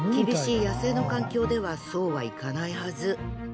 厳しい野生の環境ではそうはいかないはず。